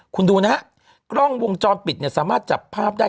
คุณดูนะฮะกล้องวงจรปิดเนี่ยสามารถจับภาพได้